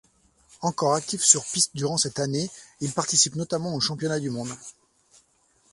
Encore actif sur piste durant cette année, il participe notamment aux championnats du monde.